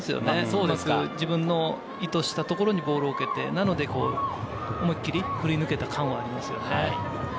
うまく自分の意図したところにボールを受けて、なので、思いっきり、振り抜けた感はありますね。